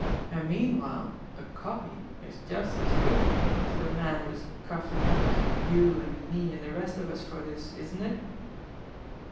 And meanwhile a copy is just as good to the man who is coughing up to you and me and the rest of us for this, isn't it?"